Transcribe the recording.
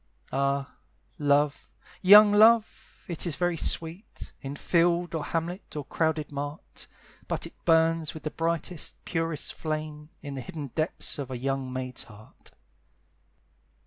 Ah, love! young love! it is very sweet, In field, or hamlet, or crowded mart; But it burns with the brightest, purest flame In the hidden depths of a young maid's heart.